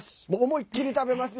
思いっきり食べます。